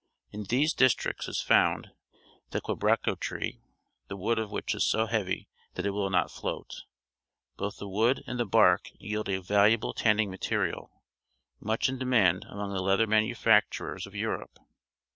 In these districts is found the quebracho tree, the wood of which is so heavy that it will not float. Both the wood and the bark yield a valuable tanning material, much in de mand among the leather manufacturers of Europe.